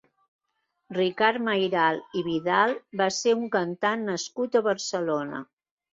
Ricard Mayral i Vidal va ser un cantant nascut a Barcelona.